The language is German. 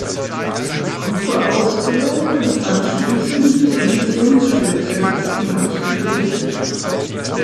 Gruppe ausgewählt und anschließend zur Missionsspezialistin ausgebildet.